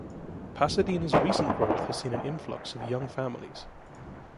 Pasadena's recent growth has seen an influx of young families.